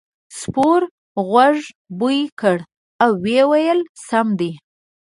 سپور غوږ بوی کړ او وویل سم دی.